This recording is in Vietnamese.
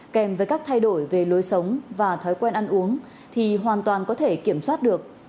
kèm với các thay đổi về lối sống và thói quen ăn uống thì hoàn toàn có thể kiểm soát được